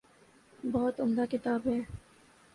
بہت عمدہ کتاب ہے۔